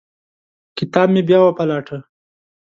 کتاب مې بیا وپلټه.